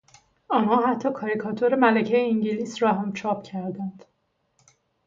آنها حتی کاریکاتور ملکهی انگلیس را هم چاپ کردند.